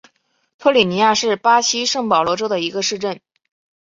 托里尼亚是巴西圣保罗州的一个市镇。